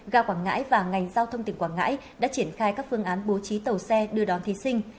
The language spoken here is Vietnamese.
ga quảng ngãi và ngành giao thông tỉnh quảng ngãi đã triển khai các phương án bố trí tàu xe đưa đón thí sinh